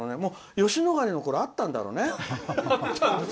吉野ヶ里のころにはあったんだろうね。